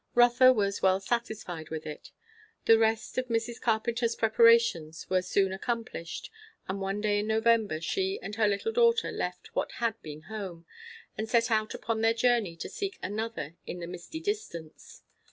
Rotha was well satisfied with it. The rest of Mrs. Carpenter's preparations were soon accomplished; and one day in November she and her little daughter left what had been home, and set out upon their journey to seek another in the misty distance.